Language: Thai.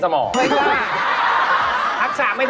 เป็นไง